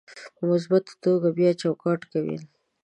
په مثبته توګه بیا چوکاټ کول: